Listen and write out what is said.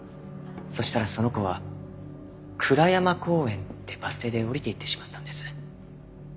そうしたらその子は蔵山公園ってバス停で降りていってしまったんです。